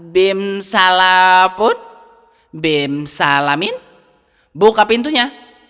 bim salah pun bim salah min buka pintunya